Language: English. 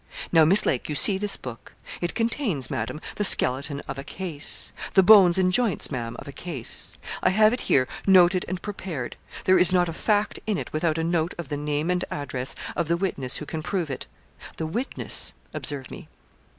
'Now, Miss Lake, you see this book. It contains, Madam, the skeleton of a case. The bones and joints, Ma'am, of a case. I have it here, noted and prepared. There is not a fact in it without a note of the name and address of the witness who can prove it the witness observe me.'